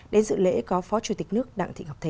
để dự lễ có phó chủ tịch nước đặng thị ngọc thị